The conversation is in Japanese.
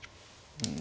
うん。